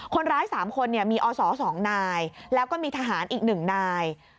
คนร้าย๓คนมีอศ๒นายแล้วก็มีทหารอีก๑นาย